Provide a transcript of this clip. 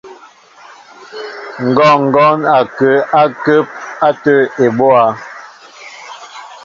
Ŋgɔɔŋgɔn ó kǝǝ agǝǝp atǝǝ ebóá.